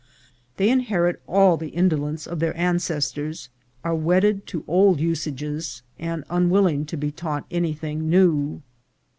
They inherit all the indolence of their ancestors, are wedded to old usages, and un willing to be taught anything new.